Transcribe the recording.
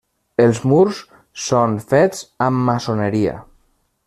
Els murs són fets amb maçoneria.